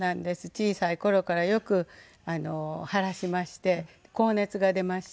小さい頃からよく腫らしまして高熱が出まして。